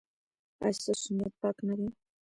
ایا ستاسو نیت پاک نه دی؟